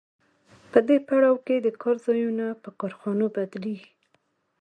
په دې پړاو کې د کار ځایونه په کارخانو بدلېږي